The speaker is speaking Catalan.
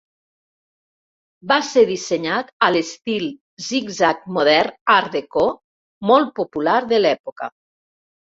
Va ser dissenyat a l'estil Zigzag Modern Art Deco molt popular de l'època.